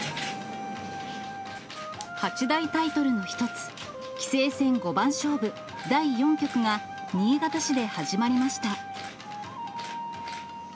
八大タイトルの一つ、棋聖戦五番勝負第４局が新潟市で始まりました。